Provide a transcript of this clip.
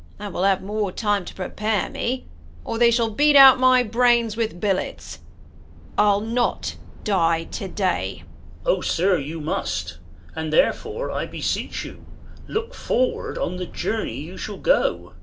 And Avill have more time to prepare me, or they Shall beat out my brains with billets. I'll not die to day. Duke. 0, sir, you must, and therefore, I be seech you. Look forward on the journey you shall go.